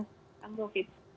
terima kasih prof